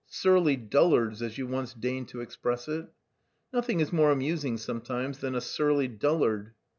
"'Surly dullards,' as you once deigned to express it." "Nothing is more amusing sometimes than a surly dullard."